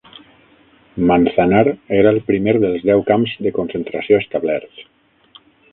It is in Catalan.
Manzanar era el primer dels deu camps de concentració establerts.